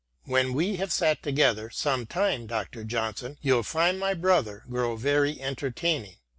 " When we have sat together some time. Dr. Johnson, you'll find my brother grow very entertaining."